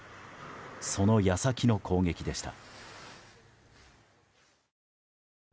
その矢先の攻撃でした。